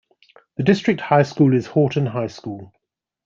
The district high school is Horton High School.